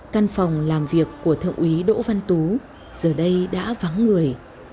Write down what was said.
căn phòng làm việc của thượng úy đỗ văn tú giờ đây đã vắng người